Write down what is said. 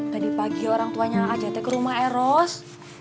tadi pagi orang tuanya ajadnya ke rumah eros